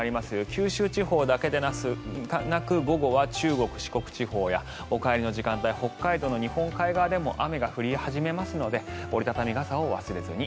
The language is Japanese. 九州地方だけでなく午後は中国・四国地方やお帰りの時間帯北海道の日本海側でも雨が降り始めますので折り畳み傘を忘れずに。